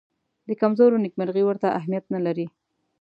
د کمزورو نېکمرغي ورته اهمیت نه لري.